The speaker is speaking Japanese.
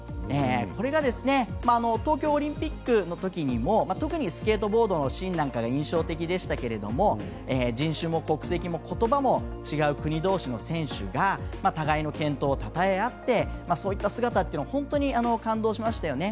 これが東京オリンピックのときにも特にスケートボードのシーンなんかが印象的ですが人種も国籍もことばも違う国どうしの選手が互いの健闘をたたえ合ってそういった姿というのを本当に感動しましたよね。